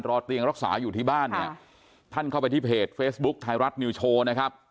เตียงรักษาอยู่ที่บ้านเนี่ยท่านเข้าไปที่เพจเฟซบุ๊คไทยรัฐนิวโชว์นะครับ